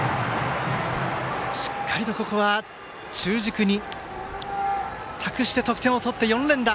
しっかりとここは中軸に託して得点を取って、４連打。